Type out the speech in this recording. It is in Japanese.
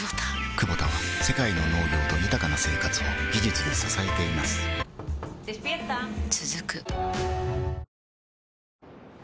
クボタは世界の農業と豊かな生活を技術で支えています起きて。